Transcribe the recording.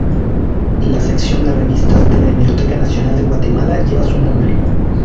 La sección de revistas de la Hemeroteca Nacional de Guatemala lleva su nombre.